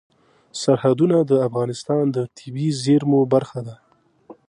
سرحدونه د افغانستان د طبیعي زیرمو برخه ده.